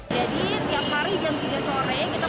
jadi tiap hari jam tiga sore kita punya pertemuan penjualan spesial